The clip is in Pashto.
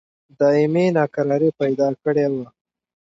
دایمي ناکراري پیدا کړې وه.